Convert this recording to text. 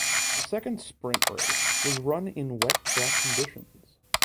The second sprint race was run in wet track conditions.